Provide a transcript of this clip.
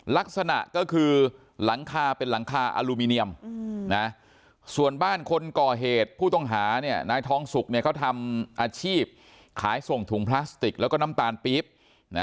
ลักษณะก็คือหลังคาเป็นหลังคาอลูมิเนียมส่วนบ้านคนก่อเหตุผู้ต้องหานายทองสุกเขาทำอาชีพขายส่งถุงพลาสติกแล้วก็น้ำตาลปี๊บ